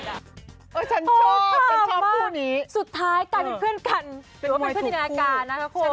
ฉันชอบฉันชอบคู่นี้โอ้ข้าวมากสุดท้ายกันเป็นเพื่อนกันเป็นเพื่อนที่กันอาการนะครับคุณ